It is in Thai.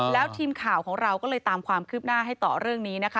แล้วทีมข่าวของเราก็เลยตามความคืบหน้าให้ต่อเรื่องนี้นะคะ